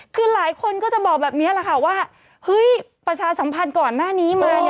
คือหลายคนก็จะบอกแบบนี้แหละค่ะว่าเฮ้ยประชาสัมพันธ์ก่อนหน้านี้มา